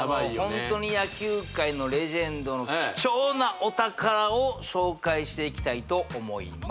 ホントに野球界のレジェンドの貴重なお宝を紹介していきたいと思います